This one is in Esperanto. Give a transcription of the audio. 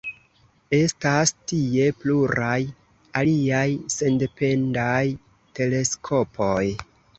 Estas tie pluraj aliaj sendependaj teleskopoj.